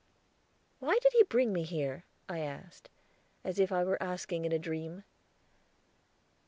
"Why did he bring me here?" I asked, as if I were asking in a dream.